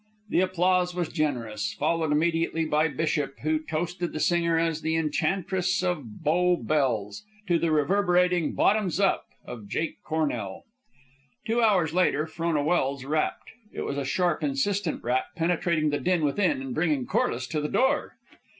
The applause was generous, followed immediately by Bishop, who toasted the singer as the "Enchantress of Bow Bells," to the reverberating "bottoms up!" of Jake Cornell. Two hours later, Frona Welse rapped. It was a sharp, insistent rap, penetrating the din within and bringing Corliss to the door.